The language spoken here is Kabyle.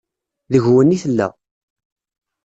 Deg-wen i tella.